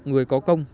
người có công